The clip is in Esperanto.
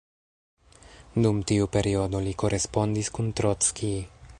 Dum tiu periodo li korespondis kun Trockij.